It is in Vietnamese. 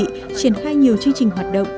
triển khai nhiều chương trình hoạt động